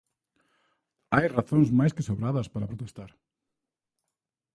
"Hai razóns máis que sobradas para protestar".